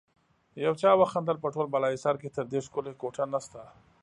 يو چا وخندل: په ټول بالاحصار کې تر دې ښکلی کوټه نشته.